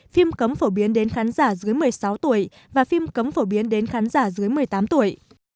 phim cấm phổ biến đến khán giả dưới một mươi sáu tuổi và phim cấm phổ biến đến khán giả dưới một mươi tám tuổi